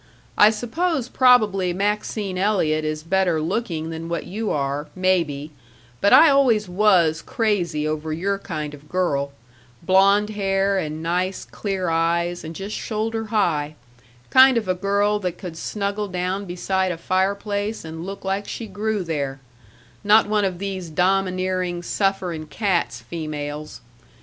I suppose probably Maxine Elliott is better looking than what you are, maybe, but I always was crazy over your kind of girl blond hair and nice, clear eyes and just shoulder high kind of a girl that could snuggle down beside a fireplace and look like she grew there not one of these domineerin' sufferin' cats females.